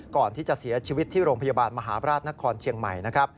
ก่อนที่จะเสียชีวิตที่โรงพยาบาลมหาบราชนครเชียงใหม่นะครับ